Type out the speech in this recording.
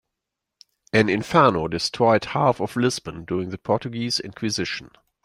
An inferno destroyed half of Lisbon during the Portuguese inquisition.